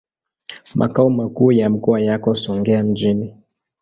Makao makuu ya mkoa yako Songea mjini.